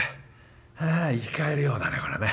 はあ生き返るようだねこれね」。